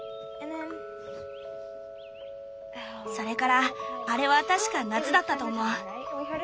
それからあれは確か夏だったと思う。